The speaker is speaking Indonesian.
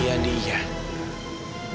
iya kamu jangan marah marah deh